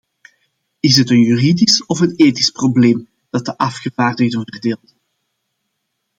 Is het een juridisch of een ethisch probleem dat de afgevaardigden verdeelt?